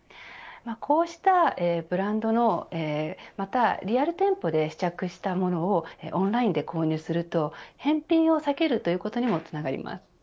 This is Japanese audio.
こうしたブランドのリアル店舗で試着したものをオンラインで購入すると返品を避けるということにもつながります。